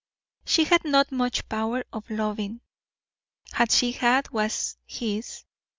She had not much power of loving; what she had was his.